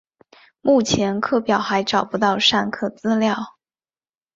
目前课表还找不到上课资料